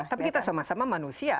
tapi kita sama sama manusia